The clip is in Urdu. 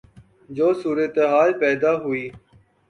جو صورتحال پیدا ہوئی